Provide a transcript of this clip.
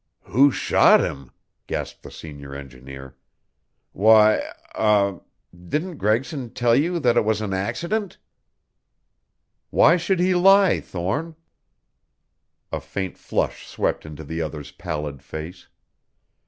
"Who shot him?" gasped the senior engineer. "Why er didn't Gregson tell you that it was an accident?" "Why should he lie, Thorne?" A faint flush swept into the other's pallid face.